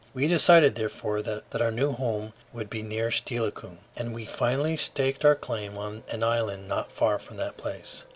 We decided therefore that our new home should be near Steilacoom, and we finally staked out a claim on an island not far from that place.